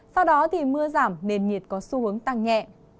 sau đó thì mưa giảm nền nhiệt có xu hướng tăng nhẹ